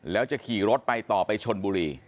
แล้วจะขี่รถไปต่อไปชนบุรี